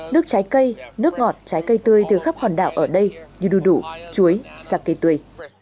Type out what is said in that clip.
nước trái cây nước ngọt trái cây tươi từ khắp hòn đảo ở đây như đu đủ chuối sa cây tươi